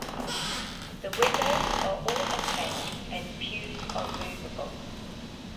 The windows are all opaque and pews are moveable.